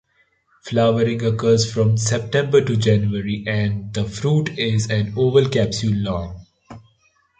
Flowering occurs from September to January and the fruit is an oval capsule long.